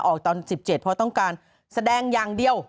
ออกตอน๑๗เพราะต้องการแสดงอย่างเดียว